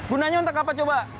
gunanya untuk apa coba